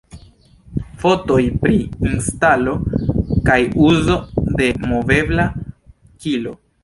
Fotoj pri instalo kaj uzo de "movebla kilo"